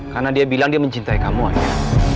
karena dia bilang dia mencintai kamu aida